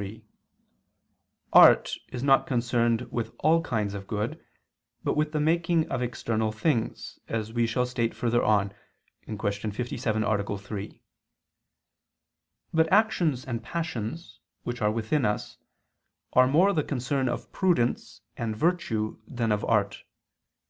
3: Art is not concerned with all kinds of good, but with the making of external things, as we shall state further on (Q. 57, A. 3). But actions and passions, which are within us, are more the concern of prudence and virtue than of art.